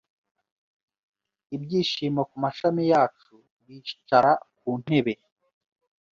Ibyishimo ku mashami yacu bicara kuntebe